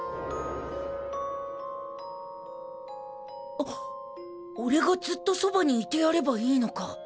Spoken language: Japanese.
あっ俺がずっとそばにいてやればいいのか